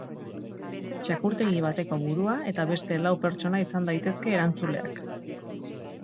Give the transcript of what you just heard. Txakurtegi bateko burua eta beste lau pertsona izan daitezke erantzuleak.